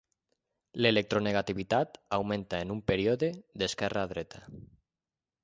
L'electronegativitat augmenta en un període d'esquerra a dreta.